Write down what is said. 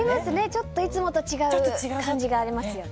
ちょっといつもと違う感じがありますね。